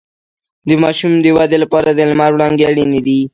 د ماشوم د ودې لپاره د لمر وړانګې اړینې دي